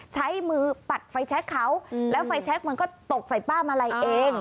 ใช้มือปัดไฟแชคเขาแล้วไฟแชคมันก็ตกใส่ป้ามาลัยเอง